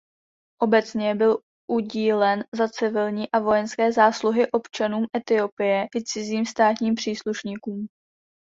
Obecně byl udílen za civilní a vojenské zásluhy občanům Etiopie i cizím státním příslušníkům.